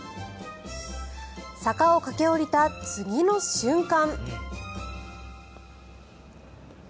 坂を駆け下りた次の瞬間。